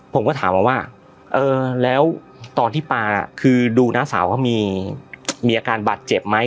ผมก็ถามมาว่าเออแล้วตอนที่ปลาน่ะคือดูน้าสาวว่ามีอาการบาดเจ็บไหม